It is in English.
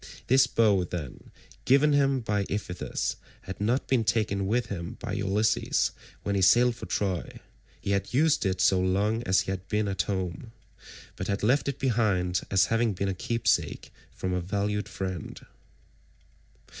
This bow, then, given him by Iphitus, had not been taken with him by Ulysses when he sailed for Troy; he had used it so long as he had been at home, but had left it behind as having been a keepsake from a valued friend.